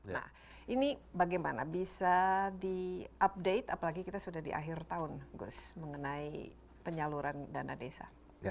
nah ini bagaimana bisa di update apalagi kita sudah di akhir tahun gus mengenai penyaluran dana desa